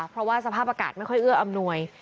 เพราะว่าสภาพอากาศไม่ค่อยเอื้ออำนวย